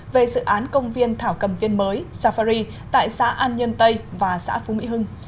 về dự án công viên thảo cầm viên mới safari tại xã an nhân tây và xã phú mỹ hưng